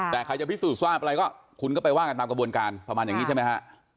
แต่ใครจะพิสูจนทราบอะไรก็คุณก็ไปว่ากันตามกระบวนการประมาณอย่างนี้ใช่ไหมฮะ